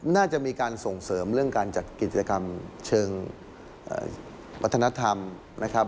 น่าจะมีการส่งเสริมเรื่องการจัดกิจกรรมเชิงวัฒนธรรมนะครับ